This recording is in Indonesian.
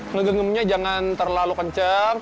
ngegenggamnya jangan terlalu kencang